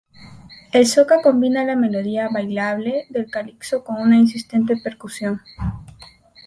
El soca combina la melodía bailable del calipso con una insistente percusión.